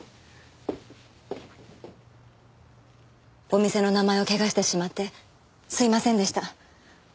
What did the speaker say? お店の名前を汚してしまってすみませんでした。